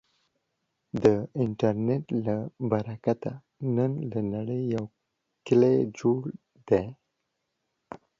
د انټرنټ له برکته، نن له نړې یو کلی جوړ دی.